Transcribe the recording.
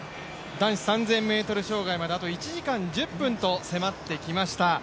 男子３０００ｍ障害まであと１時間１０分と迫ってきました。